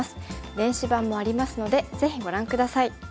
電子版もありますのでぜひご覧下さい。